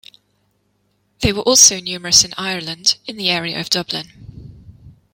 They were also numerous in Ireland, in the area of Dublin.